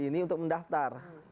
ini untuk mendaftar